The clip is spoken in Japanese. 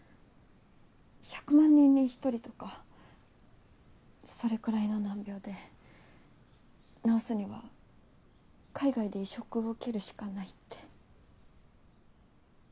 １００万人に１人とかそれくらいの難病で治すには海外で移植を受けるしかないって。